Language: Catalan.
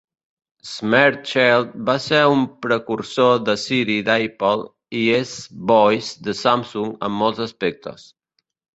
SmarterChild va ser un precursor de Siri d'Apple i S Voice de Samsung en molts aspectes.